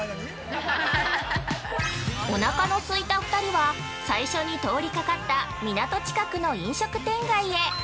◆おなかのすいた２人は最初に通りかかった港近くの飲食店街へ。